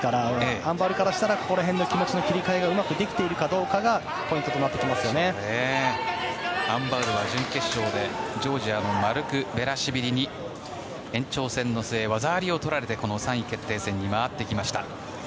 アン・バウルからしたらこの辺りで気持ちの切り替えがうまくできているかどうかがアン・バウルは準決勝でジョージアのマルクベラシュビリに延長戦の末、技ありをとられて３位決定戦に上がってきました。